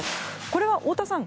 これは太田さん